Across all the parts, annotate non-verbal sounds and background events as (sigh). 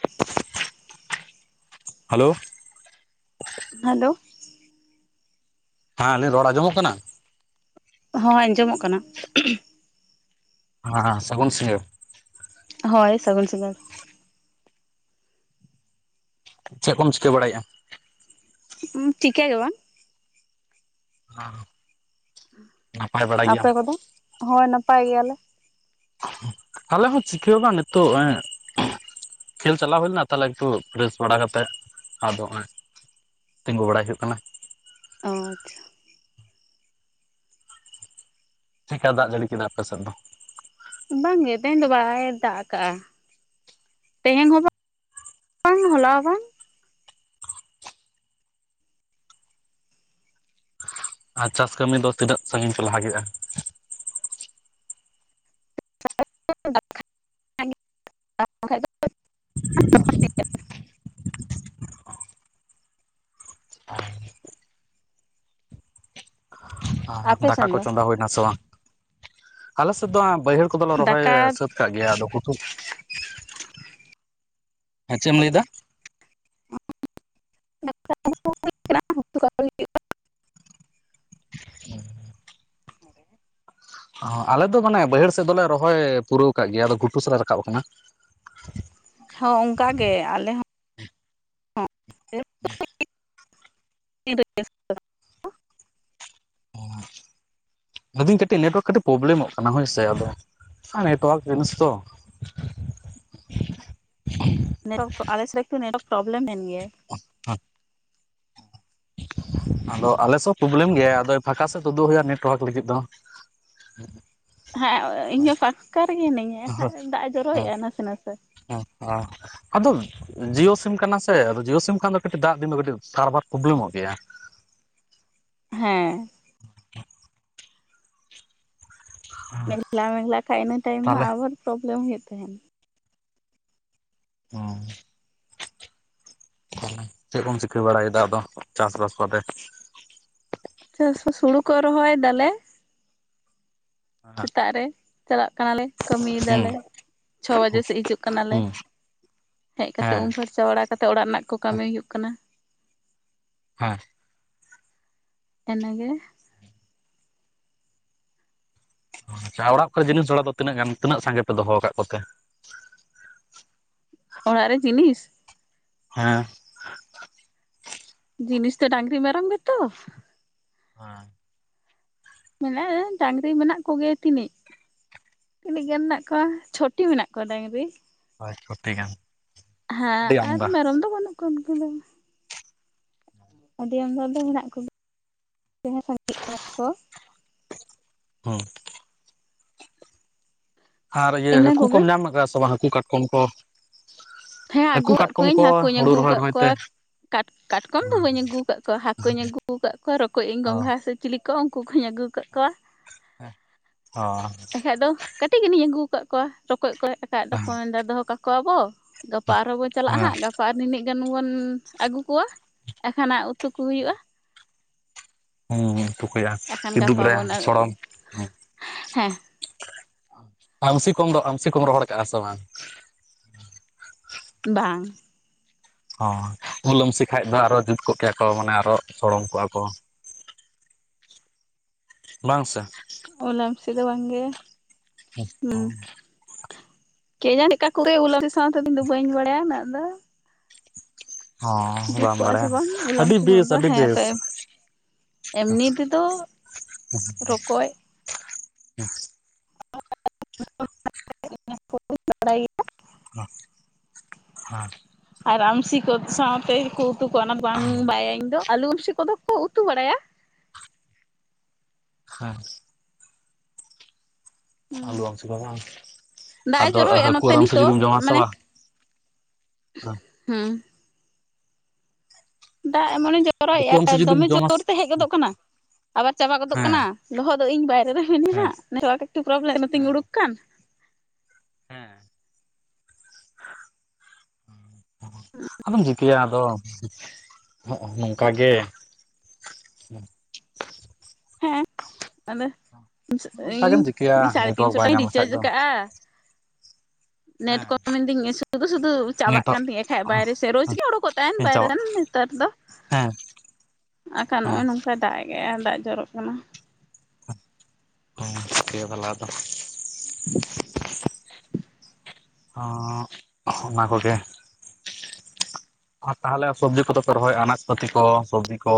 (inaudible) Hello. Hello. ᱦᱮᱸ ᱟᱞᱤᱧᱟᱜ ᱨᱚᱲ ᱟᱡᱸᱡᱚᱢᱚᱜ ᱠᱟᱱᱟ? ᱦᱚᱸ ᱟᱸᱡᱚᱢᱚᱜ ᱠᱟᱱᱟ᱾ ᱦᱮᱸ ᱥᱟᱹᱜᱩᱱ ᱥᱤᱜᱟᱹᱲ᱾ ᱦᱳᱭ ᱥᱟᱹᱜᱩᱱ ᱥᱤᱜᱟᱹᱲ᱾ ᱪᱮᱫ ᱠᱚᱢ ᱪᱤᱠᱟᱹ ᱵᱟᱰᱟᱭᱮᱜ-ᱟ? ᱪᱤᱠᱟᱹ ᱜᱮ ᱵᱟᱝ᱾ (unintelligible) ᱱᱟᱯᱟᱭ ᱵᱟᱲᱟᱭ ᱟᱯᱮ ᱜᱮᱭᱟᱢ ᱠᱚᱫᱚ, ᱦᱳᱭ ᱱᱟᱯᱟᱭ ᱜᱮᱭᱟᱞᱮ᱾ ᱟᱞᱮ ᱦᱚᱸ ᱪᱤᱠᱟᱹ ᱦᱚᱸ ᱵᱟᱝ ᱱᱤᱛᱚᱜ ᱠᱷᱮᱞ ᱪᱟᱞᱟᱣ ᱦᱩᱭ ᱞᱮᱱᱟ ᱛᱟᱦᱞᱮ ᱮᱠᱴᱩ ᱯᱷᱨᱮᱥ (unintelligible) ᱵᱟᱲᱟ ᱠᱟᱛᱮᱜ ᱟᱫᱚ ᱱᱚᱜ-ᱚᱭ᱾ ᱛᱤᱸᱜᱩ ᱵᱟᱲᱟᱭ ᱦᱩᱭᱩᱜ ᱠᱟᱱᱟ᱾ ᱚᱸ ᱟᱪᱪᱷᱟ ᱾ ᱪᱮᱠᱟ ᱫᱟᱜ ᱡᱟᱹᱲᱤ ᱠᱮᱫᱟ ᱟᱯᱮ ᱥᱮᱫ ᱫᱚ? ᱵᱟᱝᱜᱮ ᱛᱮᱦᱮᱧ ᱫᱚ ᱵᱟᱭ ᱫᱟᱜ ᱟᱠᱟᱜᱼᱟ᱾ ᱛᱮᱦᱮᱧ ᱦᱚᱸ ᱵᱟᱝ ᱦᱚᱞᱟ ᱦᱚ ᱵᱟᱝ᱾ ᱟᱨ ᱪᱟᱥ ᱠᱟᱹᱢᱤ ᱫᱚ ᱛᱤᱱᱟᱹᱜ ᱥᱟᱜᱤᱧ ᱯᱮ ᱞᱟᱦᱟ ᱠᱮᱫᱼᱟ? (unintelligible) (inaudible) ᱟᱯᱮ ᱫᱟᱠᱟ ᱥᱮᱱ ᱠᱚ ᱫᱚ ᱪᱚᱸᱫᱟ ᱦᱩᱭᱱᱟ ᱥᱮ ᱵᱟᱝ? ᱟᱞᱮ ᱥᱮᱫ ᱫᱚ ᱵᱟᱹᱭᱦᱟᱹᱲ ᱠᱚᱫᱚᱞᱮ ᱨᱚᱦᱚᱭ ᱫᱟᱠᱟ ᱥᱟᱹᱛ ᱪᱟᱜ (unintelligible) ᱜᱮᱭᱟ ᱟᱫᱚ ᱠᱩᱴᱩ (unintelligible) ᱦᱮᱸ ᱪᱮᱫ ᱮᱢ ᱞᱟᱹᱭᱮᱫᱟ? (unintelligible) (inaudible) (inaudible) ᱚ ᱟᱞᱮ ᱫᱚ ᱢᱟᱱᱮ ᱵᱟᱹᱭᱦᱟᱹᱲ ᱥᱮᱫ ᱫᱚᱞᱮ ᱨᱚᱦᱚᱭ ᱯᱩᱨᱟᱹᱣ ᱠᱟᱜ ᱜᱮᱭᱟ ᱟᱫᱚ ᱜᱷᱩᱴᱩ ᱥᱟᱫ ᱞᱮ ᱨᱟᱠᱟᱵ ᱟᱠᱟᱱᱟ᱾ ᱦᱚᱸ ᱚᱱᱠᱟ ᱜᱮ ᱟᱞᱮ ᱦᱚᱸ᱾ (unintelligible) ᱚᱻ ᱞᱮᱫᱤᱧ ᱠᱟᱹᱴᱤᱡ ᱱᱮᱴᱳᱣᱟᱨᱠ ᱠᱟᱹᱴᱤᱡ ᱯᱨᱚᱵᱞᱮᱢᱚᱜ ᱠᱟᱱᱟ ᱦᱳᱭᱥᱮ, ᱟᱫᱚ ᱱᱮᱴᱳᱣᱟᱨᱠ ᱡᱤᱱᱤᱥ ᱛᱚ᱾ ᱱᱮᱴᱳᱣᱟᱨᱠ ᱟᱞᱮ ᱥᱮᱫ ᱮᱠᱴᱩ ᱱᱮᱴᱳᱣᱟᱨᱠ ᱯᱨᱚᱵᱽᱞᱮᱢ ᱮᱱ ᱜᱮᱭᱟ᱾ (inaudible) ᱟᱫᱚ ᱟᱞᱮ ᱥᱮᱫ ᱛᱩᱵᱞᱮᱢ ᱜᱮᱭᱟ ᱟᱫᱚ ᱯᱷᱟᱸᱠᱟ ᱥᱮᱫ ᱛᱩᱫᱩᱜ ᱦᱩᱭᱩᱜᱼᱟ ᱱᱮᱴᱳᱣᱟᱨᱠ ᱞᱟᱹᱜᱤᱫ ᱫᱚ᱾ (inaudible) (inaudible) ᱤᱧ ᱦᱚᱸ ᱯᱷᱟᱠᱟ ᱨᱮᱜᱮ ᱦᱤᱱᱟᱹᱧᱟ ᱦᱮᱸ ᱮᱱᱠᱷᱟᱡ ᱫᱟᱜ ᱮ ᱡᱚᱨᱚ ᱦᱮᱸ ᱮᱜᱼᱟ ᱱᱟᱥᱮ ᱱᱟᱥᱮ᱾ (inaudible) ᱟᱫᱚ ᱡᱤᱭᱳ ᱥᱤᱢ ᱠᱟᱱᱟ ᱥᱮ ᱟᱫᱚ ᱡᱤᱭᱳ ᱥᱤᱢ ᱠᱷᱟᱱ ᱫᱚ ᱠᱟᱹᱴᱤᱡ ᱫᱟᱜ ᱫᱤᱱ ᱫᱚ ᱠᱟᱹᱴᱤᱡ ᱥᱟᱨᱵᱷᱟᱨ ᱯᱨᱚᱵᱽᱞᱮᱢᱚᱜ ᱜᱮᱭᱟ᱾ ᱦᱮᱸ᱾ ᱢᱮᱜᱷᱞᱟ ᱢᱮᱜᱷᱞᱟ ᱠᱷᱟᱡ ᱤᱱᱟᱹ ᱴᱟᱭᱤᱢ ᱢᱟ ᱛᱟᱦᱚᱞᱮ ᱟᱵᱟᱨ ᱯᱨᱚᱵᱽᱞᱮᱢ ᱦᱩᱭᱩᱜ ᱛᱟᱦᱮᱱ᱾ (inaudible) (inaudible) ᱪᱮᱜ ᱠᱚᱢ ᱪᱤᱠᱟᱹ ᱵᱟᱲᱟᱭᱫᱟ ᱟᱫᱚ ᱪᱟᱥᱵᱟᱥ ᱠᱟᱛᱮ? ᱪᱟᱥ ᱵᱟᱥ ᱦᱩᱲᱩ ᱠᱚ ᱨᱚᱦᱚᱭ ᱫᱟᱞᱮ (inaudible) ᱥᱮᱛᱟᱜ ᱨᱮ᱾ ᱪᱟᱞᱟᱜ ᱠᱟᱱᱟᱞᱮ᱾ ᱠᱟᱹᱢᱤᱭ ᱦᱮᱸ ᱫᱟᱞᱮ, ᱪᱷᱚ ᱵᱟᱡᱮ ᱥᱮᱜ ᱦᱤᱡᱩᱜ ᱠᱟᱱᱟᱞᱮ, ᱦᱮᱸ ᱦᱮᱡ ᱠᱟᱛᱮ ᱦᱮᱸ ᱩᱢ ᱯᱷᱟᱨᱪᱟ ᱵᱟᱲᱟ ᱠᱟᱛ ᱛᱚ ᱚᱲᱟᱜ ᱱᱟᱜ ᱠᱚ ᱠᱟᱹᱢᱤ ᱦᱩᱭᱩᱜ ᱠᱟᱱᱟ᱾ ᱦᱮᱸ, ᱮᱱᱮ ᱜᱮ ᱡᱟᱦᱟᱸ ᱚᱲᱟᱜ ᱠᱚᱨᱮ ᱡᱤᱱᱤᱥ ᱡᱷᱟᱲᱟ ᱫᱚ ᱛᱤᱱᱟᱹᱜ ᱜᱟᱱ ᱛᱤᱱᱟᱹᱜ ᱥᱟᱸᱜᱮ ᱯᱮ ᱫᱚᱦᱚ ᱠᱟᱜ ᱠᱚᱛᱮ? ᱚᱲᱟᱜ ᱨᱮ ᱡᱮᱱᱤᱥ ᱦᱮᱸ ᱡᱤᱱᱤᱥ ᱛᱚ ᱰᱟᱝᱨᱤ ᱢᱮᱨᱚᱢ ᱜᱮ ᱛᱚ (inaudible) ᱢᱮᱱᱟᱜᱼᱟ ᱰᱟᱝᱨᱤ ᱢᱮᱱᱟᱜ ᱠᱚᱜᱮ ᱛᱤᱱᱤᱜ ᱛᱤᱱᱤᱡ ᱜᱟᱱ ᱱᱟᱜ ᱠᱚᱣᱟ ᱪᱷᱚᱴᱤ ᱢᱮᱱᱟᱜ ᱠᱚᱣᱟ ᱰᱟᱝᱨᱤ ᱾ ᱪᱷᱚᱴᱤ ᱜᱟᱱ ᱦᱟᱸ ᱟᱹᱰᱤ ᱟᱨ ᱟᱢᱫᱟ ᱢᱮᱨᱚᱢ ᱫᱚ ᱵᱟᱹᱱᱩᱜ ᱠᱚᱣᱟ ᱩᱱᱠᱩ ᱫᱚ᱾ ᱟᱹᱰᱤ ᱟᱢᱫᱟ ᱫᱚ ᱢᱮᱱᱟᱜ ᱠᱚᱜᱮ (inaudible) ᱡᱟᱦᱟᱸ ᱥᱟᱸᱜᱤ ᱠᱟᱡ ᱠᱚ ᱦᱩᱸ ᱟᱨ ᱤᱭᱟᱹ ᱤᱱᱟᱹ ᱦᱟᱠᱩ ᱠᱚᱜᱮ ᱠᱚᱢ ᱧᱟᱢ ᱠᱟ ᱥᱮ ᱵᱟᱝ ᱦᱟᱹᱠᱩ ᱠᱟᱴᱠᱚᱢ ᱠᱚ ᱦᱮᱸ ᱦᱟᱹᱠᱩ ᱟᱹᱜᱩ ᱠᱟᱜ ᱠᱟᱴᱠᱚᱢ ᱠᱚᱣᱟᱹᱧ ᱠᱚ ᱦᱟᱹᱠᱩᱧ ᱦᱩᱲᱩ ᱟᱹᱜᱩ ᱨᱚᱦᱚᱭ ᱠᱟᱜ ᱨᱚᱦᱚᱭ ᱛᱮ ᱠᱚᱣᱟ ᱠᱟᱴ ᱠᱟᱴᱠᱚᱢ ᱫᱚ ᱵᱟᱹᱧ ᱟᱹᱜᱩ ᱠᱟᱜ ᱠᱚᱣᱟ ᱦᱟᱹᱠᱩᱧ ᱟᱹᱜᱩ ᱠᱟᱜ ᱠᱚᱣᱟ ᱨᱚᱠᱚᱡ ᱟᱹᱧ ᱚ ᱜᱚᱝᱜᱷᱟ ᱥᱮ ᱪᱤᱞᱤ ᱠᱚ ᱩᱱᱠᱩ ᱠᱚᱧ ᱟᱹᱜᱩ ᱠᱟᱜ ᱠᱚᱣᱟ ᱚ (inaudible) ᱮᱠᱷᱟᱡ ᱫᱚ ᱠᱟᱹᱴᱤ ᱜᱟᱱ ᱱᱤᱧ ᱟᱹᱜᱩ ᱠᱟᱜ ᱠᱚᱣᱟ ᱨᱚᱠᱚᱡ ᱠᱚ ᱮᱠᱷᱟᱡ ᱫᱚᱠᱚ ᱢᱮᱱ ᱫᱟ ᱫᱚᱦᱚ ᱠᱟᱠᱚ ᱟᱵᱚ, ᱜᱟᱯᱟ ᱟᱨᱦᱚᱸ ᱵᱚ ᱦᱮᱸ ᱪᱟᱞᱟᱜ-ᱟ ᱦᱟᱸᱜ ᱜᱟᱯ ᱯᱟ ᱟᱨ ᱱᱤᱱᱤᱹᱜ ᱜᱟᱱ ᱵᱚᱱ ᱟᱹᱜᱩ ᱠᱚᱣᱟ ᱮᱠᱷᱟᱱᱟᱜ ᱩᱛᱩ ᱠᱚ ᱦᱩᱭᱩᱜᱼᱟ ᱾ ᱦᱩᱸ ᱛᱩᱩ ᱠᱚᱭᱟ ᱮᱠᱷᱟᱱ ᱠᱤᱫᱩᱵ ᱜᱟᱯᱟ ᱨᱮ ᱵᱚᱱ ᱥᱚᱲᱚᱢ ᱦᱮᱸ (inaudible) (inaudible) ᱟᱢᱥᱤ ᱠᱚᱢ ᱫᱚ ᱟᱢᱥᱤ ᱠᱚᱢ ᱨᱚᱦᱚᱲ ᱠᱟᱜᱼᱟ ᱥᱮ ᱵᱟᱝ-ᱟ? ᱵᱟᱝ, ᱦᱚᱸ ᱩᱞ ᱟᱢᱥᱤ ᱠᱷᱟᱡ ᱫᱚ ᱟᱨᱚ ᱡᱩᱛ ᱠᱚᱜ ᱠᱮᱭᱟ ᱠᱚ ᱢᱟᱱᱮ ᱟᱨᱚ ᱥᱚᱲᱚᱢ ᱠᱚᱜᱼᱟ ᱠᱚ᱾ ᱞᱟᱝ ᱥᱮ, ᱩᱞ ᱟᱢᱥᱤ ᱫᱚ ᱵᱟᱝᱜᱮ ᱦᱩᱸ (inaudible) ᱠᱮ ᱡᱟᱱᱤᱡ ᱮᱠᱟ ᱠᱚᱛᱮ ᱩᱞ ᱟᱴᱤ ᱥᱟᱣ ᱛᱮᱫᱚ ᱤᱧ ᱫᱚ ᱵᱟᱹᱧ ᱵᱟᱲᱟᱭᱟ ᱩᱱᱟᱹᱜ ᱫᱚ᱾ ᱡᱩᱛ ᱵᱟᱢ ᱠᱚᱜ-ᱟ ᱥᱮ ᱵᱟᱲᱟᱭᱟ ᱵᱟᱝ ᱩᱞ ᱟᱹᱰᱤ ᱟᱢᱥᱤ ᱥᱟᱣ ᱵᱮᱥ ᱫᱚ ᱟᱹᱰᱤ ᱦᱮᱸ ᱵᱮᱥ ᱛᱟᱭᱚᱢ ᱮᱢᱱᱤ ᱛᱮᱫᱚ ᱨᱚᱠᱚᱡ ᱾ (unintelligible) ᱵᱟᱲᱟᱭᱟ ᱜᱮᱭᱟ? ᱚᱸᱜ ᱦᱮᱸ᱾ ᱟᱨ ᱟᱢᱥᱤ ᱠᱚ ᱥᱟᱶᱛᱮ ᱠᱚ ᱩᱛᱩ ᱠᱚᱣᱟ ᱚᱱᱟ ᱫᱚ ᱵᱟᱝ ᱵᱟᱭᱟᱭ ᱤᱧ ᱫᱚ ᱟᱹᱞᱩ ᱩᱢᱥᱤ ᱠᱚᱫᱚ ᱠᱚ ᱩᱛᱩ ᱵᱟᱲᱟᱭᱟ? ᱦᱮᱸ᱾ ᱦᱩᱸ᱾ ᱟᱞᱩ ᱟᱹᱢᱥᱤ ᱠᱚᱫᱚ ᱫᱟᱜ ᱮ ᱟᱫᱚ ᱡᱚᱨᱚᱭᱮᱫᱼᱟ ᱦᱟᱹᱠᱩ ᱱᱚᱛᱮ ᱟᱨ ᱟᱨ ᱟᱹᱢᱥᱤ ᱱᱤᱛᱚᱜ ᱡᱩᱫᱤᱢ ᱡᱚᱢᱟ ᱥᱮ ᱢᱟᱱᱮ ᱵᱟᱝ ᱦᱩᱸ᱾ ᱫᱟᱜ ᱮᱢᱚᱱᱮ ᱦᱟᱹᱠᱩ ᱡᱚᱨᱚᱭᱮᱜᱼᱟ ᱟᱢᱥᱤ ᱡᱩᱫᱤᱢ ᱫᱚᱢᱮ ᱡᱚᱢᱟ ᱡᱳᱨ ᱛᱮ ᱦᱮᱡ ᱜᱚᱫᱚᱜ ᱠᱟᱱᱟ, ᱟᱵᱟᱨ ᱪᱟᱵᱟ ᱜᱚᱫᱚᱜ ᱠᱟᱱᱟ ᱦᱮᱸ ᱞᱚᱦᱚᱫ ᱫᱚ ᱤᱧ ᱵᱟᱭᱨᱮ ᱨᱮ ᱢᱤᱱᱤᱡᱟ ᱦᱮᱸ ᱱᱮᱴᱣᱟᱨᱠ ᱮᱠᱴᱩ ᱯᱨᱚᱵᱞᱮ ᱱᱚᱛᱮᱧ ᱩᱰᱩᱠ ᱠᱟᱱ᱾ ᱦᱮᱸ᱾ ᱟᱫᱚᱢ ᱪᱤᱠᱟᱹᱭᱟ ᱟᱫᱚ ᱱᱚᱸᱜ-ᱱᱚᱝᱠᱟ ᱜᱮ ᱦᱮᱸ ᱟᱫᱚ ᱚᱱᱠᱟ ᱜᱮᱢ ᱤᱧ ᱪᱤᱠᱟᱹᱭᱟ ᱥᱟᱲᱮ ᱱᱮᱴᱣᱟᱨᱠ ᱛᱤᱱᱥᱚ ᱴᱟ ᱵᱟᱭ ᱤᱧ ᱧᱟᱢ ᱞᱮᱠᱷᱟᱡ ᱨᱤᱪᱟᱨᱡᱽ ᱫᱚ ᱠᱟᱜᱼᱟ (inaudible) ᱱᱮᱴ ᱠᱚᱢ ᱮᱱ ᱛᱤᱧ ᱤᱥᱩ ᱥᱩᱫᱩ ᱥᱩᱫᱩ ᱪᱟᱵᱟᱜ ᱠᱟᱱ ᱱᱮᱴᱣᱟᱨᱠ ᱛᱤᱧ ᱮᱠᱷᱟᱡ ᱵᱟᱭᱨᱮ ᱥᱮ ᱨᱳᱡᱜ ᱜᱮ ᱩᱰᱩᱠᱚᱜ ᱛᱟᱦᱮᱸᱱ ᱵᱟᱭᱨᱮ ᱪᱟᱵᱟᱜ ᱨᱮᱱ ᱱᱮᱛᱟᱨ ᱫᱚ᱾ ᱦᱮᱸ᱾ ᱟᱠᱷᱟᱱ ᱱᱚᱸᱜᱼᱚᱭ ᱱᱚᱝᱠᱟᱭ ᱫᱟᱜ ᱜᱮᱟᱭ ᱫᱟᱜ ᱡᱚᱨᱚᱜ ᱠᱟᱱᱟ᱾ ᱚ (unintelligible) ᱵᱟᱞᱟ ᱫᱚ, ᱚᱸᱜ ᱚᱱᱟ ᱠᱚᱜᱮ ᱟᱨ ᱛᱟᱦᱞᱮ ᱥᱚᱵᱽᱡᱤ ᱠᱚᱫᱚ ᱯᱮ ᱨᱚᱦᱚᱭᱮᱜᱼᱟ ᱟᱱᱟᱡᱽ ᱯᱟᱹᱛᱤ ᱠᱚ ᱥᱚᱵᱽᱡᱤ ᱠᱚ?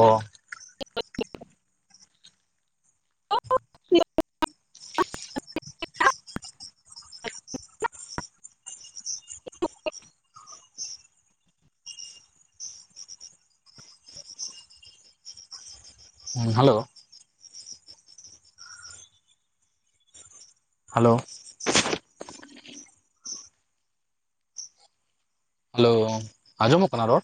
(unintelligible) (inaudible) (unintelligible) ᱦᱩᱸ ᱦᱮᱞᱳ᱾ ᱦᱮᱞᱳ᱾ ᱦᱮᱞᱳ ᱟᱸᱡᱚᱢᱚᱜ ᱠᱟᱱᱟ ᱨᱚᱲ?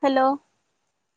ᱦᱮᱞᱳ᱾